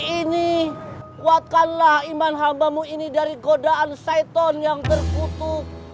ini kuatkanlah iman hambamu ini dari godaan saiton yang terkutuk